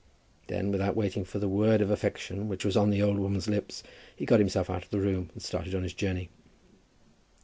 Then, without waiting for the word of affection which was on the old woman's lips, he got himself out of the room, and started on his journey.